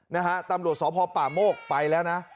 นะฮะตำรวจสพป่าโมกไปแล้วนะ